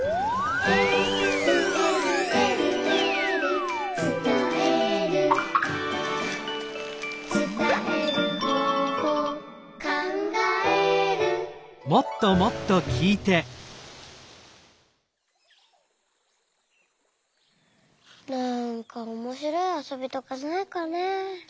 「えるえるえるえる」「つたえる」「つたえる方法」「かんがえる」なんかおもしろいあそびとかないかねえ。